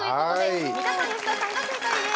三田さん、吉田さんが正解です！